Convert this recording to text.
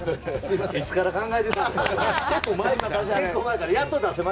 いつから考えてたんや。